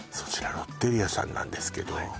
ロッテリアさんなんですけどはい